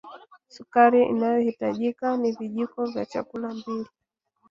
Sukari inayohitajika nivijiko vya chakula mbili